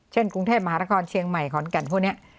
เช่นกรุงเทศมหาละครเชียงใหม่ของอันการณ์พวกนี้